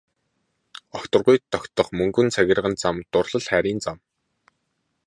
Огторгуйд тогтох мөнгөн цагирган зам дурлал хайрын зам.